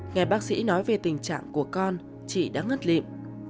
nghe bác sĩ nói về tình trạng của con chị đã ngất lị